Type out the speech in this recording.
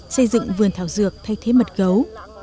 xây dựng vườn thảo dược thay thế mật gấu